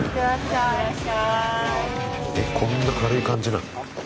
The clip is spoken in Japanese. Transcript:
えっこんな軽い感じなの？